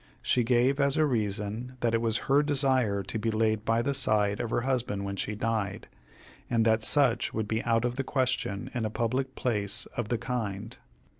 She gave as a reason, that it was her desire to be laid by the side of her husband when she died, and that such would be out of the question in a public place of the kind.